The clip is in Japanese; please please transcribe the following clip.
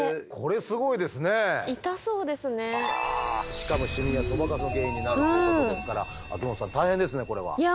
しかもシミやソバカスの原因になるということですから秋元さん大変ですねこれは。いやもう本当ですね。